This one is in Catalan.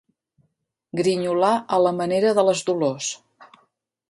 Grinyolar a la manera de les Dolors.